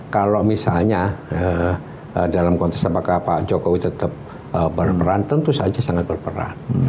kalau misalnya dalam konteks apakah pak jokowi tetap berperan tentu saja sangat berperan